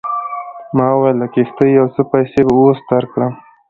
ما وویل د کښتۍ یو څه پیسې به اوس درکړم.